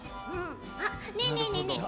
あっねえねえねえねえ。